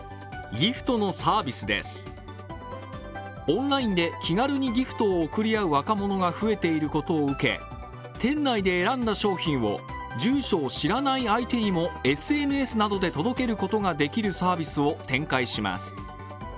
オンラインで気軽にギフトを贈り合う若者が増えていることを受け店内で選んだ商品を住所を知らない相手にもＳＮＳなどで届けることができるサービスを展開します。